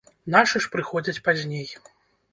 Нашы ж прыходзяць пазней.